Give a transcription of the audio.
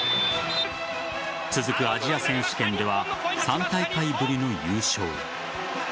続くアジア選手権では３大会ぶりの優勝。